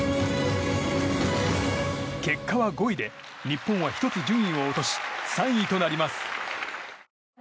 結果は５位で日本は１つ順位を落とし３位となります。